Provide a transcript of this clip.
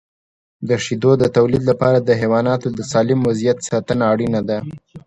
د شیدو د تولید لپاره د حیواناتو د سالم وضعیت ساتنه اړینه ده.